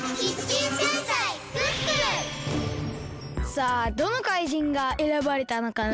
さあどのかいじんがえらばれたのかな？